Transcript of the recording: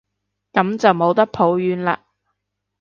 噉就冇得抱怨喇